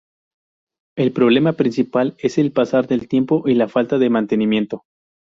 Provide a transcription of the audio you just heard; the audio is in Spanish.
El problema principal es el pasar del tiempo y la falta de mantenimiento.